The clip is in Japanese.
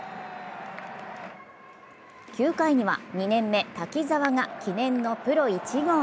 ９回には２年目・滝澤が記念のプロ１号。